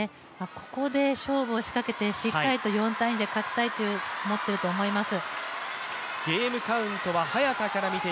ここで勝負を仕掛けてしっかりと４−２で勝ちたいと思っていると思います。